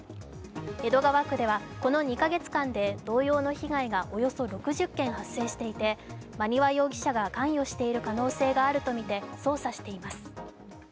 江戸川区ではこの２か月間で動揺の被害がおよそ６０件発生していて馬庭容疑者が関与している可能性があるとみて捜査しています。